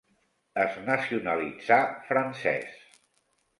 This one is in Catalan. Es nacionalitzà francès.